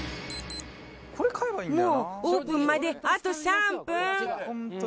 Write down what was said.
もうオープンまであと３分！